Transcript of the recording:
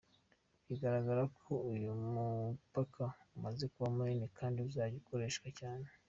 Biragaragara ko uyu mupaka umaze kuba munini kandi uzajya ukoreshwa cyane.